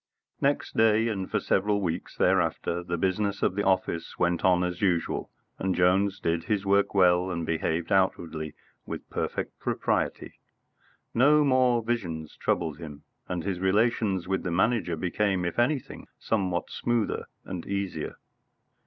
III Next day, and for several weeks thereafter, the business of the office went on as usual, and Jones did his work well and behaved outwardly with perfect propriety. No more visions troubled him, and his relations with the Manager became, if anything, somewhat smoother and easier.